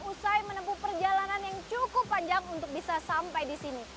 usai menempuh perjalanan yang cukup panjang untuk bisa sampai di sini